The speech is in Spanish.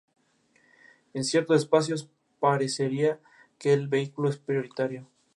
En ciertos espacios pareciera que el vehículo es prioritario.